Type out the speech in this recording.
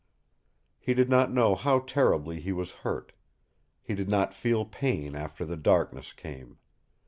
He did not know how terribly he was hurt. He did not feel pain after the darkness came.